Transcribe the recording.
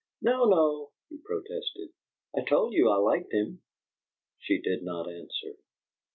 "No, no," he protested. "I told you I liked him." She did not answer.